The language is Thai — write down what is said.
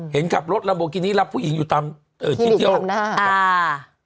เห็นขับรถลัมโบกินี่รับผู้หญิงอยู่ตามที่เที่ยวหน้าอ่า